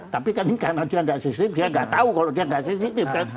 tapi kan ini karena dia tidak sensitif dia tidak tahu kalau dia tidak sensitif